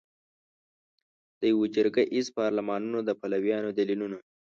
د یوه جرګه ایز پارلمانونو د پلویانو دلیلونه